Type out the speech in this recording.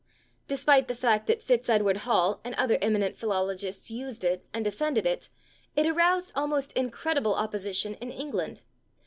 Despite the fact that Fitzedward Hall and other eminent philologists used it and defended it, it aroused almost incredible opposition in England.